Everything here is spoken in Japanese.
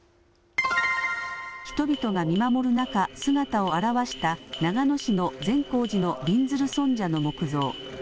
人々が見守る中、姿を現した長野市の善光寺のびんずる尊者の木像。